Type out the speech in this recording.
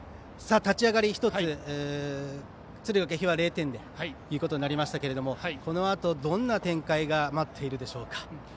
立ち上がり敦賀気比は０点となりましたがこのあと、どんな展開が待っているでしょうか。